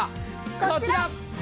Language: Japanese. こちら。